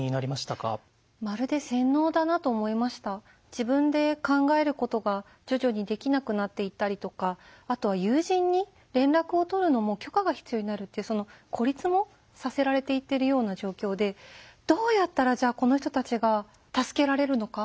自分で考えることが徐々にできなくなっていったりとかあとは友人に連絡を取るのも許可が必要になるって孤立もさせられていってるような状況でどうやったらじゃあこの人たちが助けられるのか？